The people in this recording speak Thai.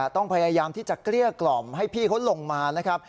ต้องพยายามที่จะเกลี้ยกล่อมให้พี่เขาลงมานะครับ